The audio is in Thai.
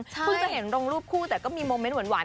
คุณจะเห็นร่วมรูปคู่แต่ก็มีโมเม้นต์หวาน